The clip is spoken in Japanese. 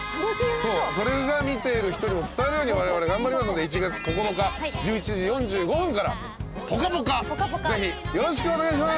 そうそれが見ている人にも伝わるようにわれわれ頑張りますので１月９日１１時４５分から『ぽかぽか』ぜひよろしくお願いします。